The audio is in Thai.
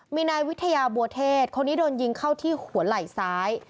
มีนายวิทยาบัวเทศคนนี้โดนยิงเข้าที่หัวไหล่ซ้าย